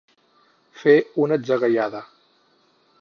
Fer una atzagaiada.